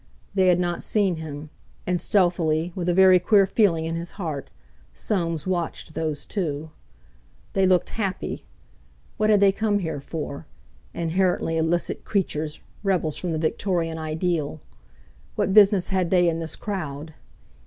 They had not seen him; and stealthily, with a very queer feeling in his heart, Soames watched those two. They looked happy! What had they come here for—inherently illicit creatures, rebels from the Victorian ideal? What business had they in this crowd?